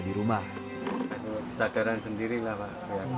demi keselamatan keluarga dan tetangganya di rumah